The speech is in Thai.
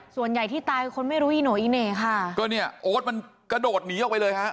ส่วนใหญ่ที่ตายคือคนไม่รู้อีโน่อีเหน่ค่ะก็เนี่ยโอ๊ตมันกระโดดหนีออกไปเลยฮะ